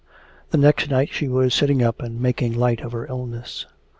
The next night she was sitting up and making light of her illness.